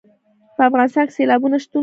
په افغانستان کې سیلابونه شتون لري.